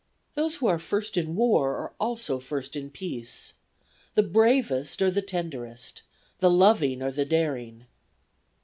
Those who are first in war are also first in peace.' "'The bravest are the tenderest,' "'The loving are the daring.